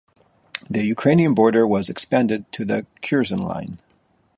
The Ukrainian border was expanded to the Curzon Line.